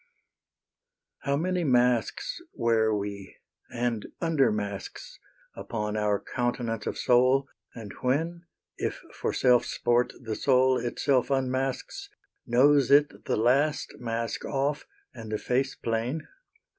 How many masks wear we, and undermasks, Upon our countenance of soul, and when, If for self sport the soul itself unmasks, Knows it the last mask off and the face plain?